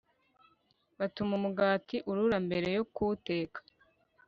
Batuma umugati urura mbere yo kuwuteka